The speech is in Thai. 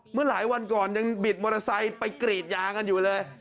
เมื่อหลายวันก่อนยังบิดมอเตอร์ไซค์ไปกรีดยางกันอยู่เลย